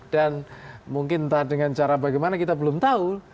dan mungkin entah dengan cara bagaimana kita belum tahu